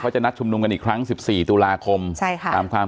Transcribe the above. จะนัดชุมนุมกันอีกครั้งสิบสี่ตุลาคมใช่ค่ะตามความ